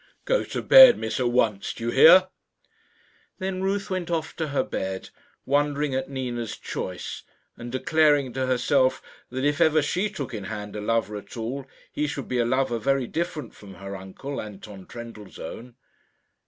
"Go to bed, miss at once, do you hear?" Then Ruth went off to her bed, wondering at Nina's choice, and declaring to herself, that if ever she took in hand a lover at all, he should be a lover very different from her uncle, Anton Trendellsohn.